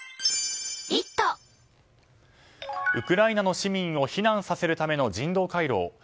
ウクライナの市民を避難させるための人道回廊。